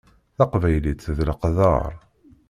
Taqbaylit d leqder.